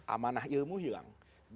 amanah ilmu hilang